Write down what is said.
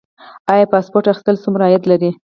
آیا پاسپورت اخیستل څومره عاید لري؟